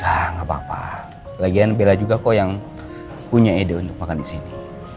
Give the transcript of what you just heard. gak apa apa lagian bella juga kok yang punya ide untuk makan disini